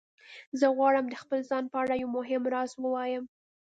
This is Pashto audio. زه غواړم د خپل ځان په اړه یو مهم راز ووایم